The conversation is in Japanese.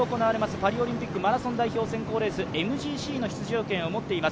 パリオリンピックマラソン代表選考レース、ＭＧＣの出場権を持っています。